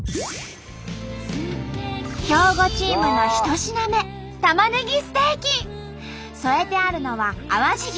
兵庫チームの１品目添えてあるのは淡路牛。